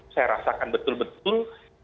saya rasakan betul betul